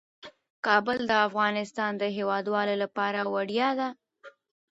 کابل د افغانستان د هیوادوالو لپاره ویاړ دی.